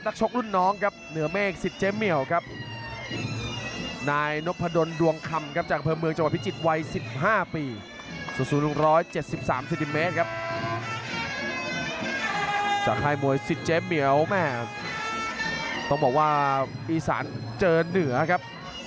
ต้องบอกว่าอีสานเจอเหนือครับ